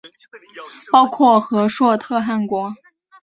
包括和硕特汗国。